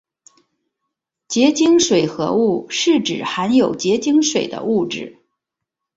结晶水合物是指含有结晶水的物质。